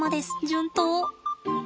順当。